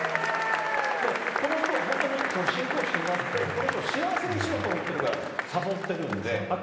この人は本当に信仰心があって、この人を幸せにしようと思ってるから誘ってるんで。